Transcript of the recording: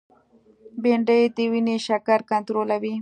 بېنډۍ د وینې شکر کنټرولوي